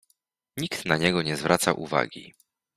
Nikt na niego nie zwraca uwagi.